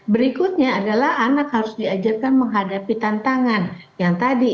berikutnya adalah anak harus diajarkan menghadapi tantangan yang tadi